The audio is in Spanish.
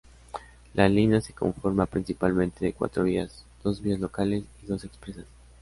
La línea se conforma principalmente de cuatro vías, dos vías locales y dos expresas.